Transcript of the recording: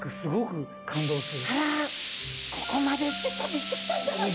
ここまでして旅してきたんだって。